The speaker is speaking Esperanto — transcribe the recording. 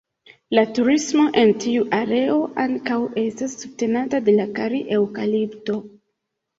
La turismo en tiu areo ankaŭ estas subtenata de la kari-eŭkalipto.